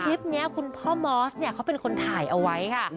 คลิปนี้คุณพ่อมอสเนี่ยเขาเป็นคนถ่ายเอาไว้ค่ะ